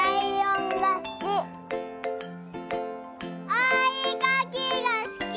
おえかきがすき。